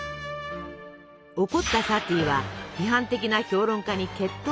怒ったサティは批判的な評論家に決闘を挑みます。